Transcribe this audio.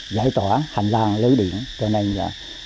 giải tỏa hành lang lưới điện cho nên là